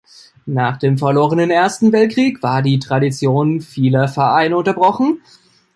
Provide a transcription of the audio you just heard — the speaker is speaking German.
Nach dem verlorenen Ersten Weltkrieg war die Tradition vieler Vereine unterbrochen.